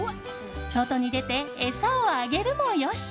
外に出て餌をあげるもよし。